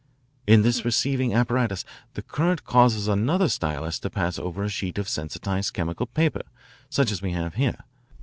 "In this receiving apparatus the current causes another stylus to pass over a sheet of sensitised chemical paper such as we have here.